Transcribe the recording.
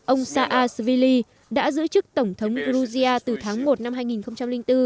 ông saakashvili đã giữ chức tổng thống georgia từ tháng một năm hai nghìn bốn